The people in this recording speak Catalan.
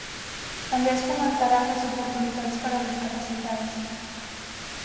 També es fomentaran les oportunitats per a discapacitats.